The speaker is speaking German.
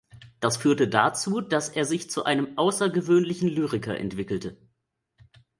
Das führte dazu, dass er sich zu einem außergewöhnlichen Lyriker entwickelte.